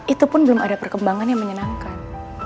itu pun belum ada perkembangan yang menyenangkan